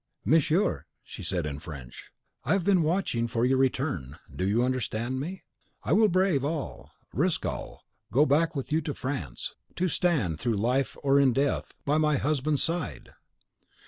"Monsieur," she said in French, "I have been watching for your return. Do you understand me? I will brave all, risk all, to go back with you to France, to stand, through life or in death, by my husband's side!"